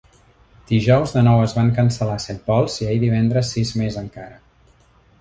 Dijous de nou es van cancel·lar set vols i ahir divendres sis més encara.